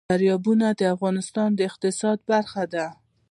دریابونه د افغانستان د اقتصاد برخه ده.